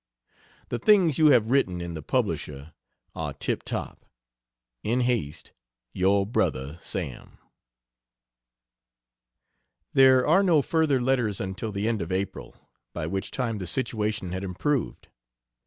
The things you have written in the Publisher are tip top. In haste, Yr Bro SAM There are no further letters until the end of April, by which time the situation had improved.